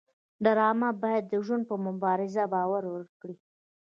ډرامه باید د ژوند په مبارزه باور ورکړي